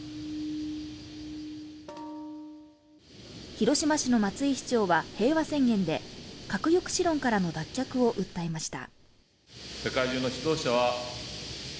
広島市の松井市長は平和宣言で核抑止論からの脱却を訴えました。